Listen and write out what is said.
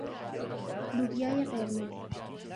لوبیای قرمز